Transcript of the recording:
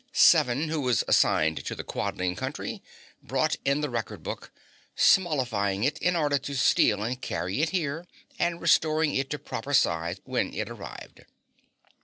Seven, who was assigned to the Quadling Country, brought in the record book, smallifying it in order to steal and carry it here, and restoring it to proper size when it arrived.